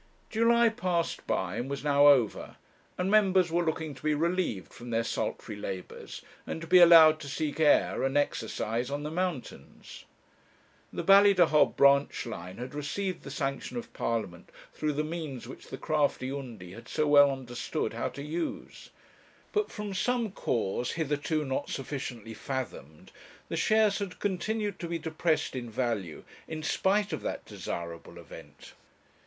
July passed by, and was now over, and members were looking to be relieved from their sultry labours, and to be allowed to seek air and exercise on the mountains. The Ballydehob branch line had received the sanction of Parliament through the means which the crafty Undy had so well understood how to use; but from some cause hitherto not sufficiently fathomed, the shares had continued to be depressed in value in spite of that desirable event.